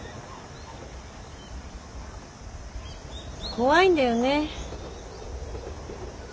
怖いんだよね。